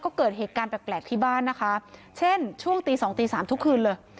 ก็เกิดเหตุการณ์แปลกแปลกที่บ้านนะคะเช่นช่วงตีสองตีสามทุกคืนเลย